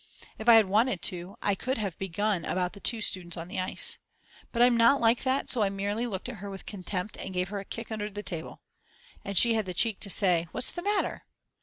If I had wanted to I could have begun about the two students on the ice. But I'm not like that so I merely looked at her with contempt and gave her a kick under the table. And she had the cheek to say: "What's the matter?